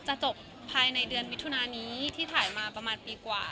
จะจบภายในเดือนมิถุนานี้ที่ถ่ายมาประมาณปีกว่า